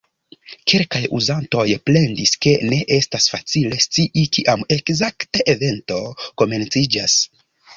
Kelkaj uzantoj plendis, ke ne estas facile scii kiam ekzakte evento komenciĝas.